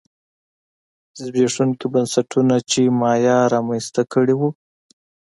زبېښونکي بنسټونه چې مایا رامنځته کړي وو